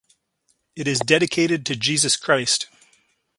It is dedicated to Jesus Christ.